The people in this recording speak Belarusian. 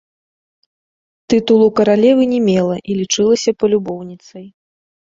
Тытулу каралевы не мела і лічылася палюбоўніцай.